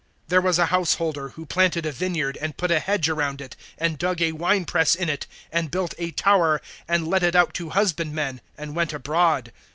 There was a householder, who planted a vineyard, and put a hedge around it, and dug a winepress in it, and built a tower, and let it out to husband men, and went abroad.